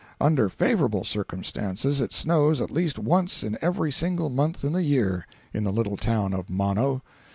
Under favorable circumstances it snows at least once in every single month in the year, in the little town of Mono.